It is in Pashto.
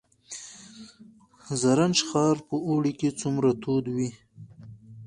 زرنج ښار په اوړي کې څومره تود وي؟